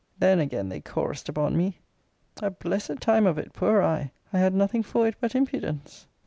Then again they chorus'd upon me! A blessed time of it, poor I! I had nothing for it but impudence!